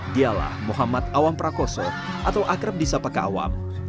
dialah muhammad awam prakoso atau akrab disapa kaawam